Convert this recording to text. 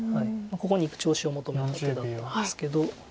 ここにいく調子を求めた手だったんですけど。